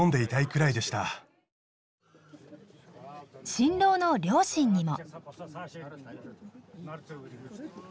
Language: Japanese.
新郎の両親にも。